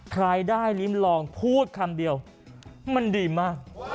ทรายได้รีมรองพูดคำเดียวมันดีมาก